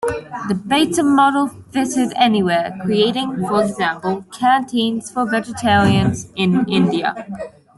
The Bata model fitted anywhere, creating, for example, canteens for vegetarians in India.